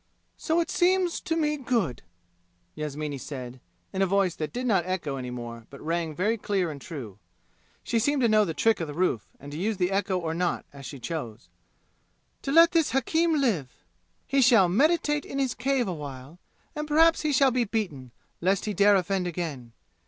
"So it seems to me good," Yasmini said, in a voice that did not echo any more but rang very clear and true (she seemed to know the trick of the roof, and to use the echo or not as she chose), "to let this hakim live! He shall meditate in his cave a while, and perhaps he shall be beaten, lest he dare offend again.